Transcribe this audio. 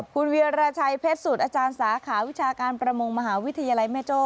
คุณเวียราชัยเพชรสูตรอาจารย์สาขาวิชาการประมงมหาวิทยาลัยแม่โจ้